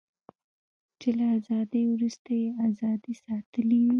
چې له ازادۍ وروسته یې ازادي ساتلې وي.